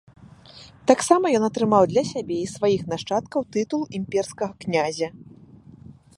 Таксама ён атрымаў для сябе і сваіх нашчадкаў тытул імперскага князя.